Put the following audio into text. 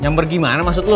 nyamber gimana maksud lo